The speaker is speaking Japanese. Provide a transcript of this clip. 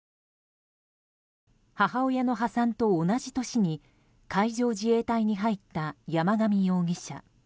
母親の破産と同じ年に海上自衛隊に入った山上容疑者。